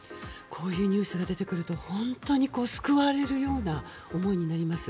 こういうニュースが出てくると本当に救われるような思いになります。